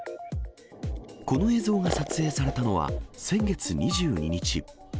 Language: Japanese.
この映像が撮影されたのは、先月２２日。